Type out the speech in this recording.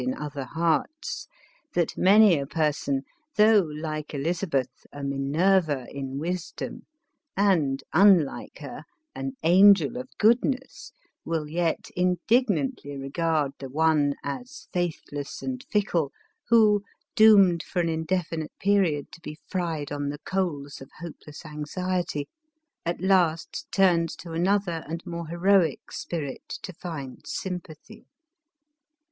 in other hearts, that many a person, though, like Eliz abeth, a Minerva in wisdom and, unlike her, an angel of goodness, will yet indignantly regard the one as faithless and fickle who, doomed for an indefinite period to be fried on the coals of hopeless anxiety, at last turns to another and more heroic spirit to find sympathy.